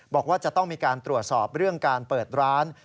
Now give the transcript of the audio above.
บอกว่าจะต้องมีการตรวจสอบเรื่องการเปิดร้าน